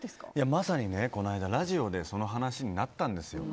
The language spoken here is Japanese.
まさにこの間、ラジオでその話になったんですよ。